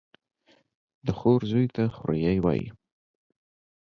د خور زوى ته خوريه وايي.